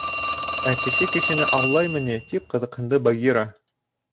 — Ә кеше кешене аулаймы ни? — тип ҡыҙыҡһынды Багира.